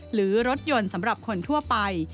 หรือรถยนต์สำหรับคนทั่วไป